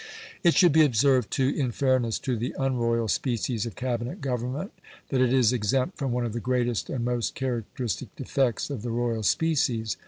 It should be observed, too, in fairness to the unroyal species of Cabinet government, that it is exempt from one of the greatest and most characteristic defects of the royal species.